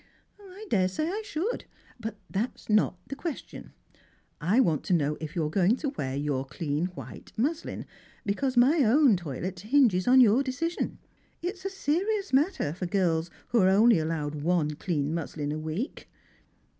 " I daresay I should ; but that's not the question. I want to know if you're going to wear your clean white mushn, because my own toilet hinges on your decision. It's a serious matter for girls who are allowed only one clean muslin a week."